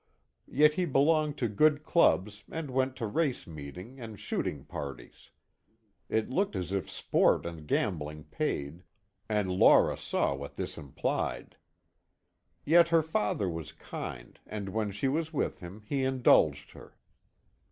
Yet he belonged to good clubs and went to race meeting and shooting parties. It looked as if sport and gambling paid, and Laura saw what this implied. Yet her father was kind and when she was with him he indulged her.